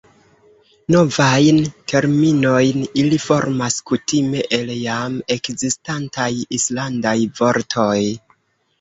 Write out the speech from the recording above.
Novajn terminojn ili formas kutime el jam ekzistantaj islandaj vortoj.